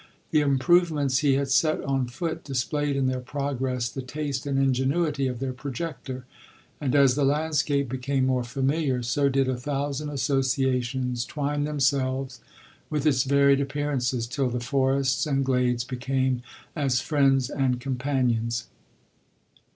The improvements he had set on foot displayed in their progress the taste and ingenuity of their projector; and as the landscape became more familiar, so did a thousand association twine themselves with its varied appearances, till the forests and glades became as friends and companions.